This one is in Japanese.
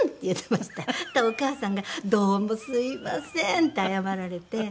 そしたらお母さんが「どうもすみません」って謝られて。